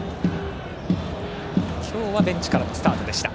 今日はベンチからのスタートでした。